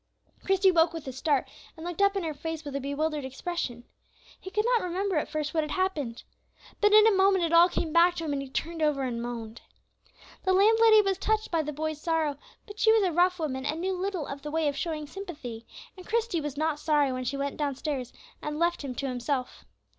Christie woke with a start, and looked up in her face with a bewildered expression. He could not remember at first what had happened. But in a moment it all came back to him, and he turned over and moaned. The landlady was touched by the boy's sorrow, but she was a rough woman, and knew little of the way of showing sympathy; and Christie was not sorry when she went downstairs and left him to himself.